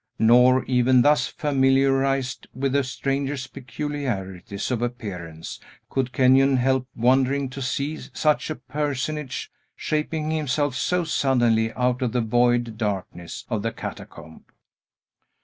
Nor, even thus familiarized with the stranger's peculiarities of appearance, could Kenyon help wondering to see such a personage, shaping himself so suddenly out of the void darkness of the catacomb.